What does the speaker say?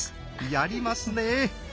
やりますね！